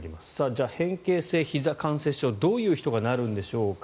じゃあ、変形性ひざ関節症どういう人がなるんでしょうか。